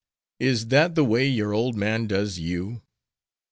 "Is that the way your old man does you?"